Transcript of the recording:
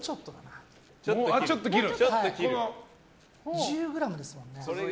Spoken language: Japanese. １０ｇですもんね。